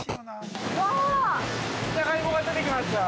◆じゃがいもが出てきましたよ。